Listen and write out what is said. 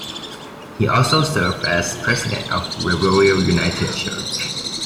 He also served as president of Riverview United Church.